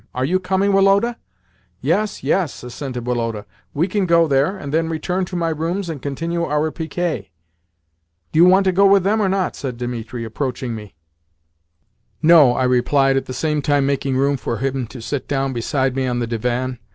Are you coming, Woloda?" "Yes, yes," assented Woloda. "We can go there, and then return to my rooms and continue our piquet." "Do you want to go with them or not?" said Dimitri, approaching me. "No," I replied, at the same time making room for him to sit down beside me on the divan.